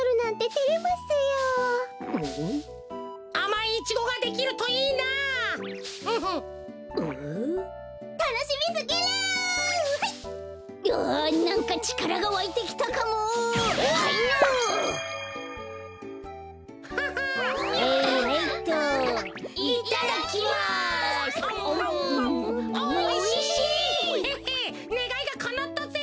ヘッヘねがいがかなったぜ。